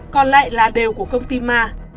còn lại là đều của công ty ma